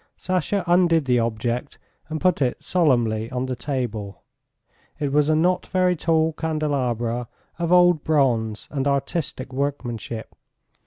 Sasha undid the object and put it solemnly on the table. It was a not very tall candelabra of old bronze and artistic workmanship.